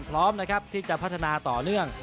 พร้อมนะครับที่จะพัฒนาต่อเนื่อง